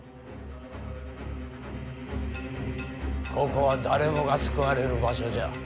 ここは誰もが救われる場所じゃ。